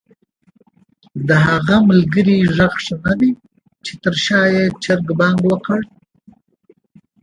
د هغه ملګري ږغ ښه ندی چې تر شا ېې چرګ بانګ وکړ؟!